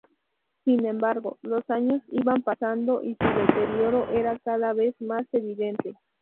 Sin embargo, los años iban pasando y su deterioro era cada vez más evidente.